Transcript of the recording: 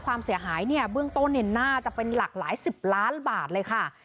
ความเสียหายเนี่ยเบื้องต้นน่าจะเป็นหลากหลายสิบล้านบาทเลยค่ะ